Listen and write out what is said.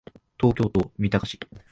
東京都三鷹市